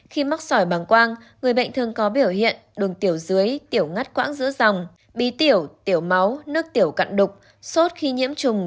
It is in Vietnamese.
khi mắc sỏi bằng quang người bệnh thường có biểu hiện đường tiểu dưới tiểu ngắt quãng giữa dòng bí tiểu tiểu máu nước tiểu cặn đục sốt khi nhiễm trùng